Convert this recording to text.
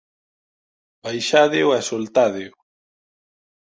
Baixádeo e soltádeo.